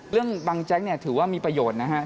เรื่องบังแจ๊คถือว่ามีประโยชน์นะครับ